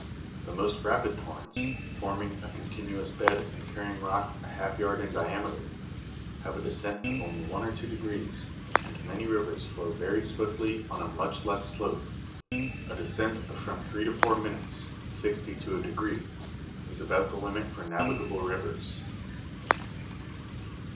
The most rapid torrents, forming a continu ous bed and carrying rocks a half yard in diameter, have a descent of only one or two degrees, and many rivers flow very swiftly on a much less slope a descent of from three to four minutes (sixty to a degree) is about the limit for navigable rivers.